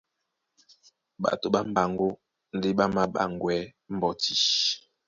Ɓato ɓá mbaŋgó ndé ɓá māɓaŋgwɛɛ́ mbɔ́tí.